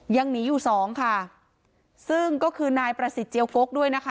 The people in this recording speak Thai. ยังหนีอยู่สองค่ะซึ่งก็คือนายประสิทธิเจียวฟกด้วยนะคะ